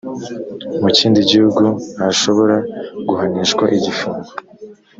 mu kindi gihugu ntashobora guhanishwa igifungo